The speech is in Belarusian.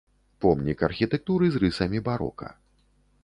Помнік архітэктуры з рысамі барока.